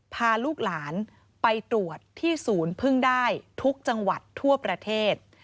พาลูกหลานไปตรวจที่ศูนย์พึ่งได้ทุกจังหวัดทั่วประเทศ